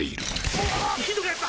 うわひどくなった！